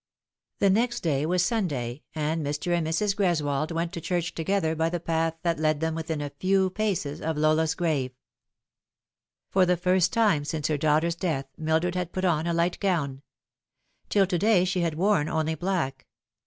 The next day was Sunday, and Mr. and Mrs. Greswold went to church together by the path that led them within a few paces of Lola's grave. For the first time since her daughter's death Mildred had put on a light gown. Till to day she had worn only black.